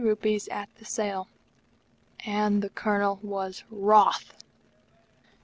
160 at the sale; and the Colonel was wroth.